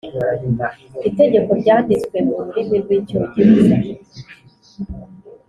Itegeko ryanditswe mu rurimi rw’ Icyongereza